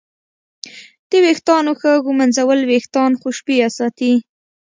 د ویښتانو ښه ږمنځول وېښتان خوشبویه ساتي.